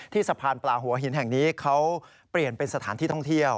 สะพานปลาหัวหินแห่งนี้เขาเปลี่ยนเป็นสถานที่ท่องเที่ยว